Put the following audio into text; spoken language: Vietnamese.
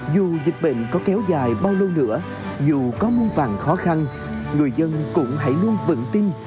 dù dịch bệnh có kéo dài bao lâu nữa dù có muôn vàng khó khăn người dân cũng hãy luôn vững tin